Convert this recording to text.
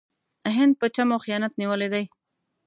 هند په چم او خیانت نیولی دی.